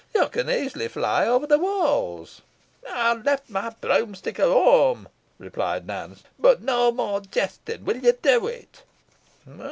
"You can easily fly over the walls." "Ey ha' left my broomstick a whoam," replied Nance "boh no more jesting. Win yo do it?"